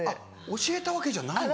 教えたわけじゃないんですか？